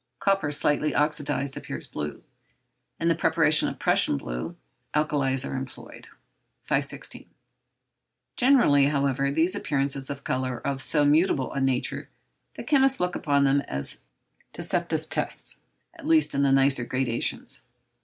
Copper slightly oxydized appears blue. In the preparation of Prussian blue, alkalis are employed. 516. Generally, however, these appearances of colour are of so mutable a nature that chemists look upon them as deceptive tests, at least in the nicer gradations.